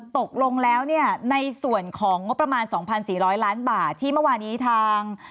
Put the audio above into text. ตกลงแล้วเนี่ยในส่วนของงบประมาณ๒๔๐๐ล้านบาทที่เมื่อวานี้ทาง